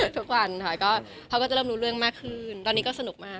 ทุกวันค่ะเขาก็จะเริ่มรู้เรื่องมากขึ้นตอนนี้ก็สนุกมาก